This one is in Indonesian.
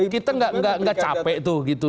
kita gak capek tuh